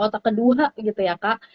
otak kedua gitu ya kak